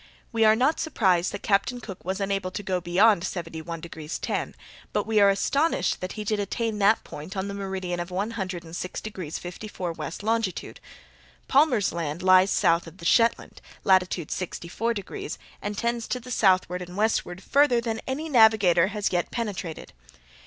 "We are not surprised that Captain Cook was unable to go beyond 71 degrees 10', but we are astonished that he did attain that point on the meridian of 106 degrees 54' west longitude. Palmer's Land lies south of the Shetland, latitude sixty four degrees, and tends to the southward and westward farther than any navigator has yet penetrated.